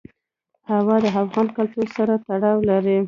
هوا د افغان کلتور سره تړاو لري.